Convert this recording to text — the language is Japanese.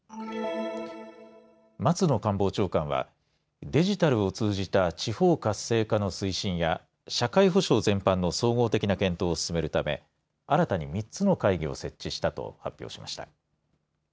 松野官房長官はデジタルを通じた地方活性化の推進や社会保障全般の総合的な検討を進めるため新たに３つの会議を設置したと発表しました。